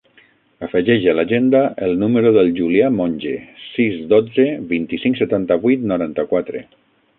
Afegeix a l'agenda el número del Julià Monge: sis, dotze, vint-i-cinc, setanta-vuit, noranta-quatre.